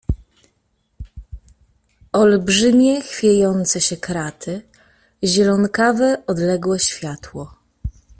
Olbrzymie, chwiejące się kraty, zielonkawe, odlegle światło.